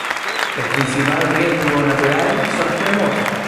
El principal riesgo natural son los terremotos.